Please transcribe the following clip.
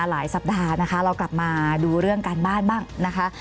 สัปดาห์นะคะเรากลับมาดูเรื่องการบ้านบ้างนะคะ